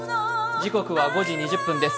時刻は５時２０分です。